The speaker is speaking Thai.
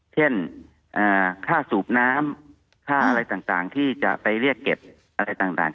เช่นค่าสูบน้ำค่าอะไรต่างที่จะไปเรียกเก็บอะไรต่าง